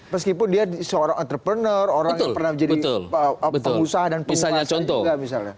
meskipun dia seorang entrepreneur orang yang pernah menjadi pengusaha dan pengusaha juga misalnya